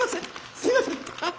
すいませんッ！